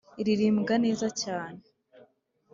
iririmbwa neza cyane.